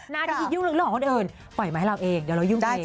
หน้าที่ยุ่งเรื่องของคนอื่นปล่อยมาให้เราเองเดี๋ยวเรายุ่งตัวเอง